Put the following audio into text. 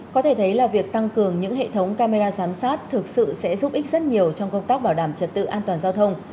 có thể thấy là việc tăng cường những hệ thống camera giám sát thực sự sẽ giúp ích rất nhiều trong công tác bảo đảm trật tự an toàn giao thông